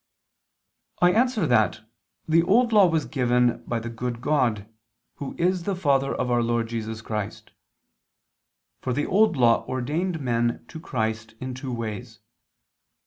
I answer that, The Old Law was given by the good God, Who is the Father of Our Lord Jesus Christ. For the Old Law ordained men to Christ in two ways.